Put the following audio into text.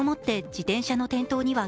自転車の転倒には